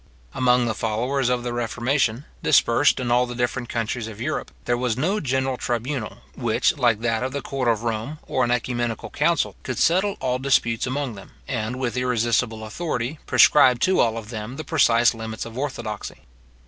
Among the followers of the reformation, dispersed in all the different countries of Europe, there was no general tribunal, which, like that of the court of Rome, or an oecumenical council, could settle all disputes among them, and, with irresistible authority, prescribe to all of them the precise limits of orthodoxy.